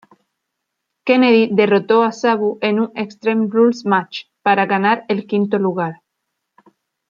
Kennedy derrotó a Sabu en un Extreme Rules Match para ganar el quinto lugar.